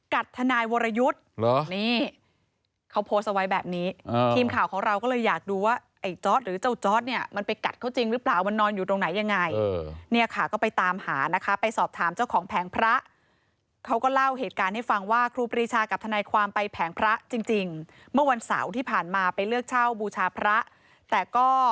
ทนายวรยุทธ์เหรอนี่เขาโพสต์เอาไว้แบบนี้ทีมข่าวของเราก็เลยอยากดูว่าไอ้จอร์ดหรือเจ้าจอร์ดเนี่ยมันไปกัดเขาจริงหรือเปล่ามันนอนอยู่ตรงไหนยังไงเนี่ยค่ะก็ไปตามหานะคะไปสอบถามเจ้าของแผงพระเขาก็เล่าเหตุการณ์ให้ฟังว่าครูปรีชากับทนายความไปแผงพระจริงจริงเมื่อวันเสาร์ที่ผ่านมาไปเลือกเช่าบูชาพระแต่ก็